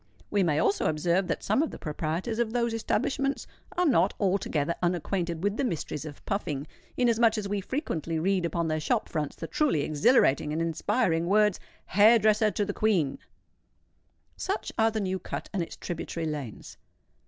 We may also observe that some of the proprietors of those establishments are not altogether unacquainted with the mysteries of puffing; inasmuch as we frequently read upon their shop fronts the truly exhilarating and inspiring words, "Hair dresser to the Queen." Such are the New Cut and its tributary lanes.